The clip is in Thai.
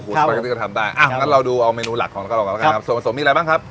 สปาเกอรี่ก็ทำได้อ่ะงั้นเราดูเอาเมนูหลักของแล้วก็เรากันแล้วกันครับส่วนผสมมีอะไรบ้างครับ